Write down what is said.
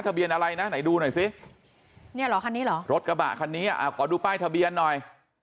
ทะเบียนอะไรนะไหนดูหน่อยสิรถกระบะคันนี้ขอดูป้ายทะเบียนหน่อย